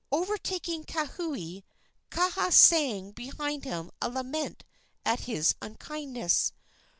Overtaking Kauhi, Kaha sang behind him a lament at his unkindness.